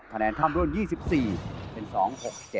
แชมป์กลุ่มนี้คือ